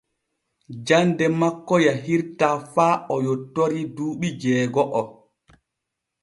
Jande makko yahirtaa faa o yottori duuɓi jeego’o.